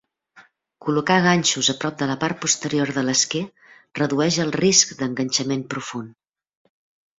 Col·locar ganxos a prop de la part posterior de l'esquer redueix el risc d'enganxament profund.